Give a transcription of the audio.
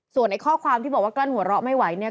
ส่วนไอ้ข้อความที่บอกว่ากลั้นหัวเราะไม่ไหวเนี่ย